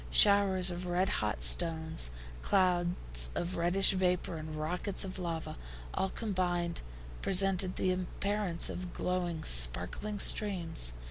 Showers of red hot stones, clouds of reddish vapor and rockets of lava, all combined, presented the appearance of glowing sparkling streams.